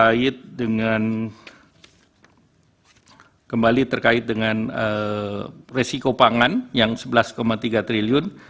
terkait dengan kembali terkait dengan resiko pangan yang sebelas tiga triliun